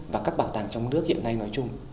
và các bảo tàng trong nước hiện nay nói chung